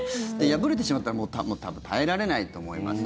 破れてしまったらもう耐えられないと思います。